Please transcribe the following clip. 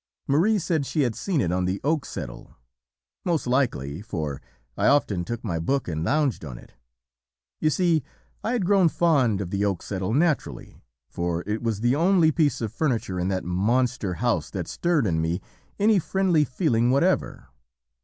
"Marie said she had seen it on the oak settle; most likely, for I often took my book and lounged on it. You see I had grown fond of the oak settle naturally, for it was the only piece of furniture in that monster house that stirred in me any friendly feeling whatever.